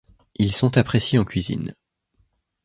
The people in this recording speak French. Ils sont appréciés en cuisine.